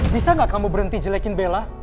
bisa gak kamu berhenti jelekin bela